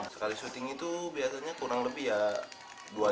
sekali syuting itu biasanya kurang lebih ya